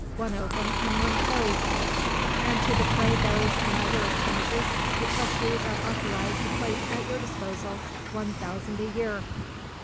One open, and one closed." "And to defray these and other expenses, the Trustees are authorized to place at your disposal one thousand a year."